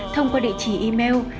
thông qua địa chỉ email